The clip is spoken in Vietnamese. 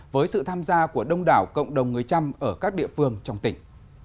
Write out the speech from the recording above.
với sự tham gia của đông đảo cộng đồng người trăm ở các địa phương trong tỉnh